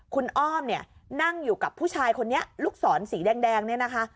คุณอ้อมเนี่ยนั่งอยู่กับผู้ชายคนนี้ลูกศรสีแดงเนี่ยนะคะ